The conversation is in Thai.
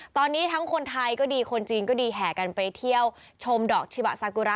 ตอนนี้ทั้งคนไทยก็ดีคนจีนก็ดีแห่กันไปเที่ยวชมดอกชิบะซากุระ